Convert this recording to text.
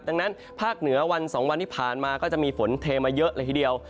ดังนั้นภาคเหนือวัน๒วันที่ผ่านมาก็จะมีฝนเทมาเยอะเลยทีเดียว